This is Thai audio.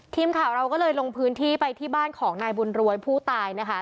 ทีมข่าวเราก็เลยลงพื้นที่ไปที่บ้านของนายบุญรวยผู้ตายนะคะ